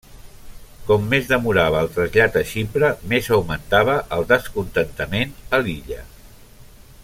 Com més demorava el trasllat a Xipre més augmentava el descontentament a l'illa.